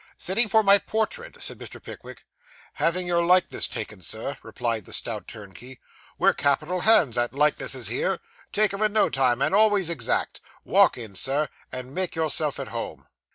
'Sitting for my portrait?' said Mr. Pickwick. 'Having your likeness taken, sir,' replied the stout turnkey. 'We're capital hands at likenesses here. Take 'em in no time, and always exact. Walk in, sir, and make yourself at home.